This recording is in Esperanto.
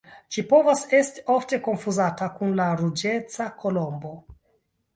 Ĝi povas esti ofte konfuzata kun la Ruĝeca kolombo.